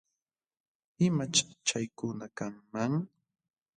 ¿Imaćh chaykuna kanman?